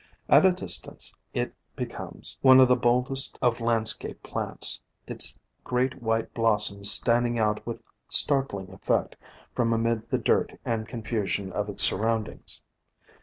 At a distance it be comes one of the boldest of landscape plants, its great white blossoms standing out with startling effect from amid the dirt and confusion of its sur roundings.